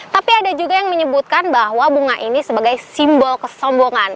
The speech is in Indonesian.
tapi ada juga yang menyebutkan bahwa bunga ini sebagai simbol kesombongan